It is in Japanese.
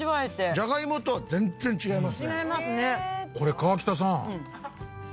じゃがいもとは全然違いますね。